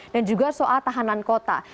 dan juga soal tahanan kota